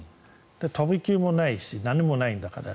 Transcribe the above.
飛び級もないし何もないんだから。